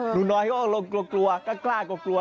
หนูน้อยก็กลัวกล้ากล้ากลัว